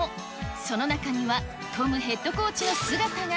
その中にはトムヘッドコーチの姿が。